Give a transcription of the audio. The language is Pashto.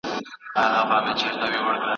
په خپلو کارونو کي نظم وساتئ.